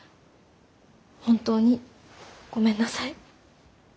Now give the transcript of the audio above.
本当にごめんなさい。